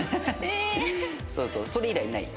そうそうそれ以来ない。